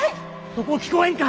そこ聞こえんか？